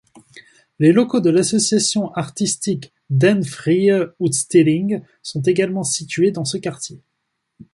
Les locaux de l'association artistique Den Frie Udstilling sont également situés dans ce quartier.